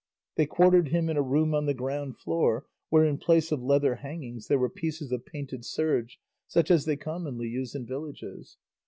They quartered him in a room on the ground floor, where in place of leather hangings there were pieces of painted serge such as they commonly use in villages.